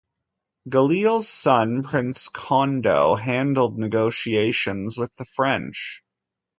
Glele's son Prince Kondo handled negotiations with the French.